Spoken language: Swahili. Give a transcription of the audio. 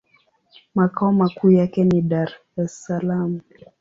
Makao makuu yake ni Dar-es-Salaam.